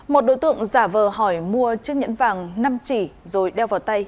một đối tượng giả vờ hỏi mua chiếc nhẫn vàng năm chỉ rồi đeo vào tay